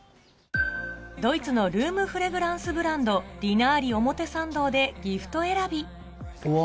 ドイツのルームフレグランスブランド「リナーリ表参道」でギフト選びうわ